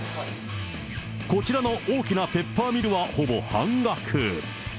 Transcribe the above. こちらの大きなペッパーミルはほぼ半額。